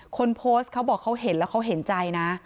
คนโพสต์เขาบอกเขาเห็นแล้วเขาเห็นใจนะ